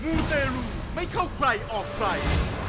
มูเตรลูไม่เข้าใครออกใคร